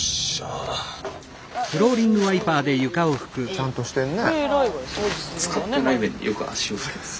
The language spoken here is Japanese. ちゃんとしてんね。